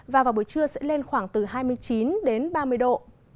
và vào buổi trưa sẽ lên khoảng từ hai mươi chín đến ba mươi độ